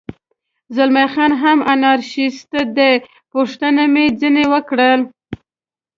زلمی خان هم انارشیست دی، پوښتنه مې ځنې وکړل.